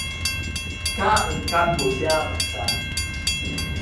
Kā un kad būs jāmaksā?